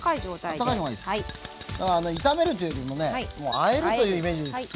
だから炒めるというよりもねもうあえるというイメージです。